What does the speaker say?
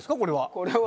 これは。